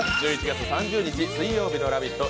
１１月３０日水曜日の「ラヴィット！」